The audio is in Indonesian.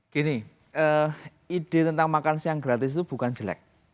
gini ide tentang makan siang gratis itu bukan jelek